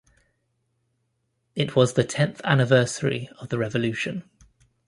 It was the tenth anniversary of the revolution.